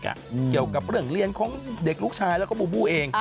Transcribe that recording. เกี่ยวกับเรื่องเรียนของเด็กลูกชายแล้วก็บูบูเอง